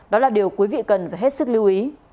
đó là điều quý vị cần phải hết sức lưu ý